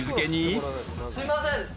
すいません。